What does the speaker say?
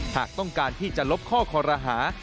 หากต้องการที่จะลบข้อคอรหา